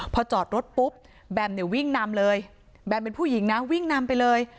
พอจอดรถปุ๊บแบมเนี่ยวิ่งนำเลยแบมเป็นผู้หญิงนะวิ่งนำไปเลย